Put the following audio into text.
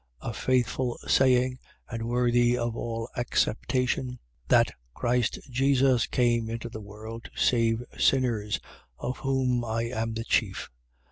1:15. A faithful saying, and worthy of all acceptation, that Christ Jesus came into the world to save sinners, of whom I am the chief.